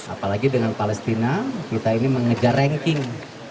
apalagi dengan palestina kita ini mengejar ranking